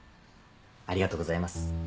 ありがとうございます。